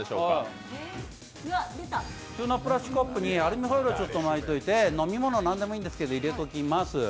普通のプラスチックコップにアルミホイルを巻いておいて、飲み物、何でもいいんですけど入れておきます。